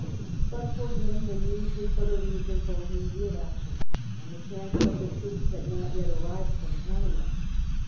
But for him the news was but a reason for immediate action, on the chance that the troops had not yet arrived from Panama.